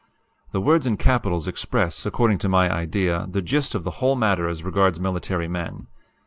"The words in capitals express, according to my idea, the gist of the whole matter as regards military men.